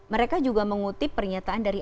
mereka juga mengutip pernyataan dari